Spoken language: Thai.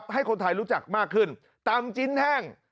ให้คนไทยรู้จักมากขึ้นตำจิ้นแห้ง